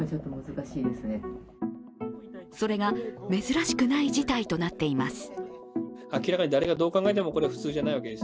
それが珍しくない事態となっています。